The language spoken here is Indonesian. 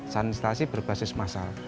sanisitasi berbasis masalah